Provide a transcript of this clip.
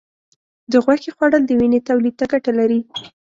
د غوښې خوړل د وینې تولید ته ګټه لري.